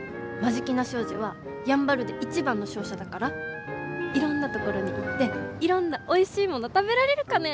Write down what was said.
眞境名商事はやんばるで一番の商社だからいろんなところに行っていろんなおいしいもの食べられるかね。